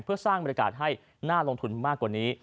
เพื่อสร้างบรรยากาศให้น่าลงทุนมากกว่านี้